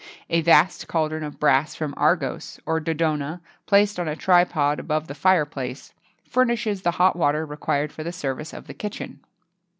A vast cauldron of brass from Argos,[XXII 58] or Dodona,[XXII 59] placed on a tripod above the fireplace, furnishes the hot water required for the service of the kitchen.